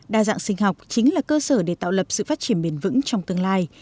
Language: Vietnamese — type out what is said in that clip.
đa dạng sinh học chính là cơ sở để tạo lập sự phát triển bền vững trong tương lai